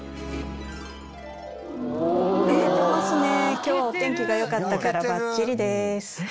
今日はお天気がよかったからバッチリです。